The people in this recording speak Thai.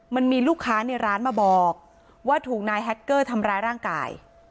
มันมีลูกค้าในร้านมาบอกว่าถูกนายแฮคเกอร์ทำร้ายร่างกาย